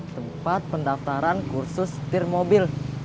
tempat pendaftaran kursus tir mobil